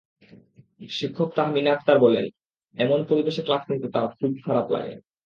শিক্ষক তাহমিনা আক্তার বললেন, এমন পরিবেশে ক্লাস নিতে তাঁর খুব খারাপ লাগে।